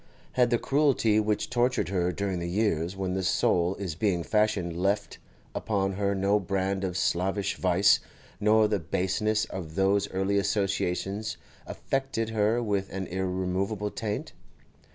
Had the cruelty which tortured her during the years when the soul is being fashioned left upon her no brand of slavish vice, nor the baseness of those early associations affected her with any irremovable taint?